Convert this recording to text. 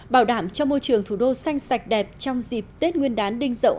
bảo đảm cho môi trường thủ đô xanh sạch đẹp trong dịp tết nguyên đán đinh dậu hai nghìn một mươi bảy